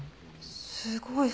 すごい。